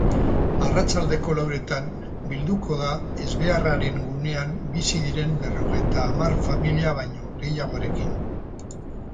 Arratsaldeko lauretan bilduko da ezbeharraren gunean bizi diren berrogeita hamar familia baino gehiagorekin.